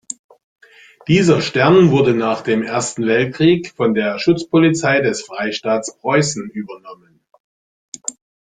Dieser Stern wurde nach dem Ersten Weltkrieg von der Schutzpolizei des Freistaats Preußen übernommen.